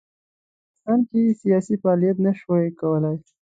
په افغانستان کې یې سیاسي فعالیت نه شوای کولای.